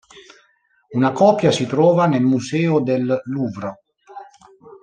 Una copia si trova nel museo del Louvre.